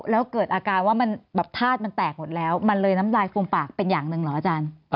แล้วเกิดอาการว่ามันแบบธาตุมันแตกหมดแล้วมันเลยน้ำลายฟูมปากเป็นอย่างหนึ่งเหรออาจารย์